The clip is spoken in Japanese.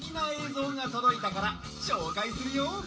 ぞうがとどいたからしょうかいするよ！